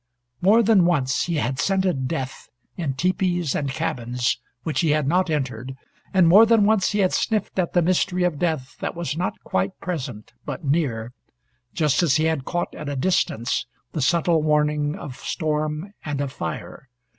More than once he had scented death in tepees and cabins, which he had not entered, and more than once he had sniffed at the mystery of death that was not quite present, but near just as he had caught at a distance the subtle warning of storm and of fire.